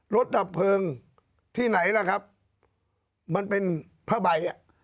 ดับเพลิงที่ไหนล่ะครับมันเป็นผ้าใบอ่ะ